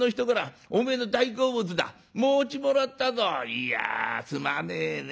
いやすまねえね。